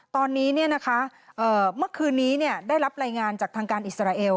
ตอนนี้เมื่อคืนนี้ได้รับรายงานจากทางการอิสราเอล